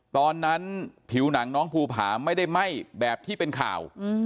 ตอนนั้นผิวหนังน้องภูผาไม่ได้ไหม้แบบที่เป็นข่าว